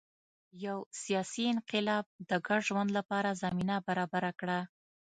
یو سیاسي انقلاب د ګډ ژوند لپاره زمینه برابره کړه.